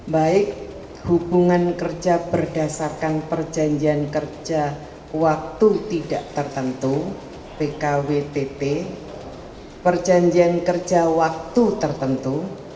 baik hubungan kerja berdasarkan perjanjian kerja waktu tidak tertentu pkwtt perjanjian kerja waktu tertentu